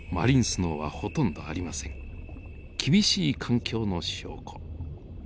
厳しい環境の証拠。